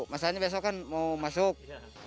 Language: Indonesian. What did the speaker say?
masalahnya besok kan mau masuk